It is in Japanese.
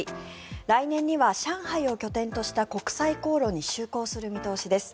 来年には上海を拠点とした国際航路に就航する見通しです。